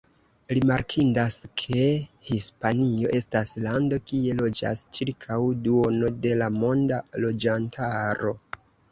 Rimarkindas, ke Hispanio estas lando kie loĝas ĉirkaŭ duono de la monda loĝantaro.